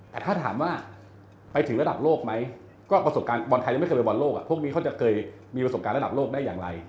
แต่ถ้าถามว่าไปถึงระดับโลกไหมก็ประสบการณ์บอลไทยแล้วไม่เคยไปบอลโลกพวกนี้เขาจะเคยมีประสบการณ์ระดับโลกได้อย่างไร